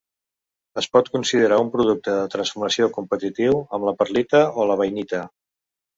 Es pot considerar un producte de transformació competitiu amb la perlita o la bainita.